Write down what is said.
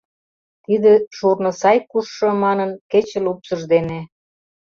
Тиде шурно сай кушшо», Манын, кече лупсыж дене